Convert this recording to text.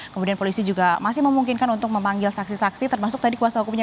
kemudian polisi juga masih memungkinkan untuk memanggil saksi saksi termasuk tadi kuasa hukumnya